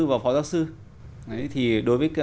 và phó giáo sư đấy thì đối với